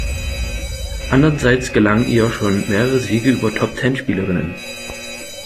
Andererseits gelangen ihr schon mehrere Siege über Top-Ten-Spielerinnen.